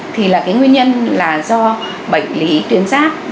thì là cái nguyên nhân là do bệnh lý tuyến giáp